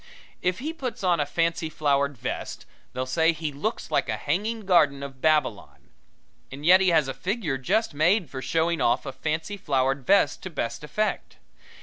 If he puts on a fancy flowered vest, they'll say he looks like a Hanging Garden of Babylon. And yet he has a figure just made for showing off a fancy flowered vest to best effect.